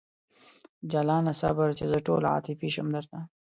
جلانه صبر! چې زه ټوله عاطفي شم درته